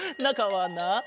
なかはな